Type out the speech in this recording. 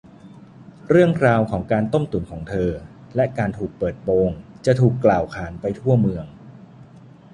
เรื่องราวของการต้มตุ๋นของเธอ และการถูกเปิดโปงจะถูกกล่าวขานไปทั่วเมือง